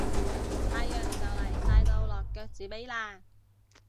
太陽就嚟晒到落腳子尾喇